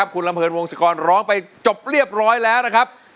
คุณลำเนินวงศกรร้องไปจบเรียบร้อยแล้วนะครับ